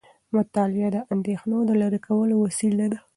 مطالعه د اندیښنو د لرې کولو وسیله ده.